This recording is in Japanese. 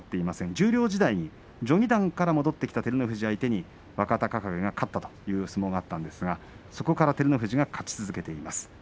十両時代に序二段から戻ってきた照ノ富士相手に若隆景が勝ったという相撲があったんですがそこから照ノ富士が勝ち続けています。